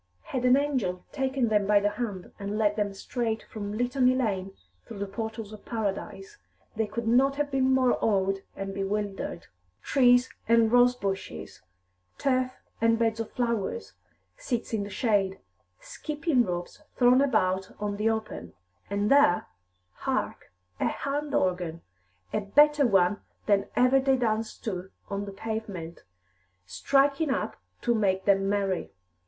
Had an angel taken them by te hand and led them straight from Litany Lane through the portals of paradise, they could not have been more awed and bewildered. Trees and rose bushes, turf and beds of flowers, seats in the shade, skipping ropes thrown about on the open and there, hark, a hand organ, a better one than ever they danced to on the pavement, striking up to make them merry.